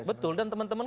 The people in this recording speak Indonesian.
betul dan teman teman